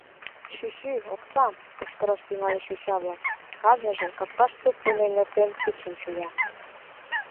Чӱчӱ, оксам! — кычкыраш тӱҥальыч йоча-влак, кажныже, капкаш туп дене эҥертен, кидшым шуя.